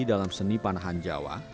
dalam seni panahan jawa